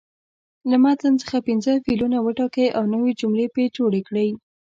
له متن څخه پنځه فعلونه وټاکئ او نوې جملې پرې جوړې کړئ.